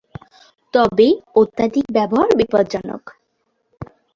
তবে অত্যধিক ব্যবহার বিপজ্জনক।